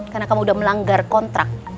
karena kamu udah melanggar kontrak